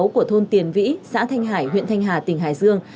của thôn tiền vĩ xã thanh hải huyện thanh hà tỉnh hải dương